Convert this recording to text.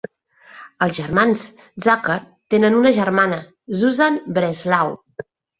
Els germans Zucker tenen una germana, Susan Breslau.